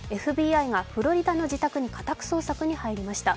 ＦＢＩがフロリダの自宅に家宅捜索に入りました。